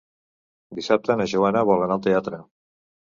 Dissabte na Joana vol anar al teatre.